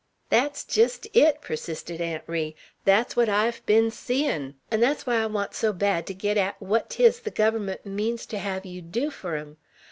"Thet's jest it," persisted Aunt Ri. "Thet's what I've ben seein'; 'n' thet's why I want so bad ter git at what 'tis the Guvvermunt means ter hev yeow dew fur 'em.